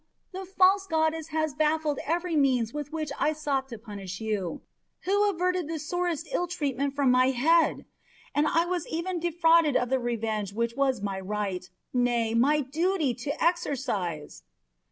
The false goddess has baffled every means with which I sought to punish you. Who averted the sorest ill treatment from my head? And I was even defrauded of the revenge which it was my right, nay, my duty, to exercise."